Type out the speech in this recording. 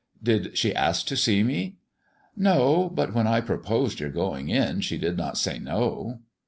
"Did she ask to see me?" "No; but when I proposed your going in, she did not say no."